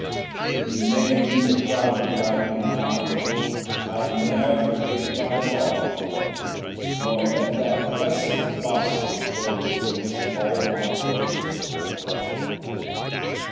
Ver. 51. 7 [In vain the proud deride me now; I'll ne'er forget thy law, Nor let that blessed gospel go Whence all my hopes I draw.